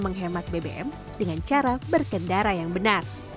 menghemat bbm dengan cara berkendara yang benar